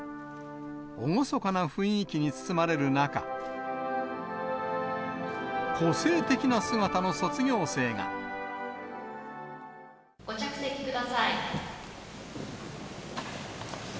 厳かな雰囲気に包まれる中、ご着席ください。